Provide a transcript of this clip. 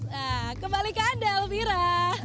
nah kembali ke anda elvira